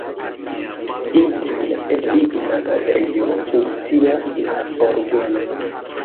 Interne en ligna galerio funkcias la orgeno.